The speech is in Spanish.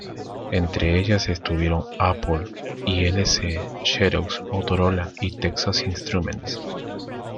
Entre ellas estuvieron Apple Inc., Xerox, Motorola y Texas Instruments.